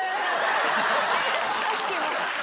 さっきの！